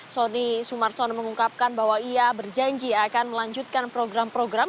sony sumarsono mengungkapkan bahwa ia berjanji akan melanjutkan program program